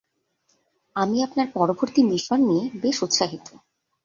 আমি আপনার পরবর্তী মিশন নিয়ে বেশ উৎসাহিত।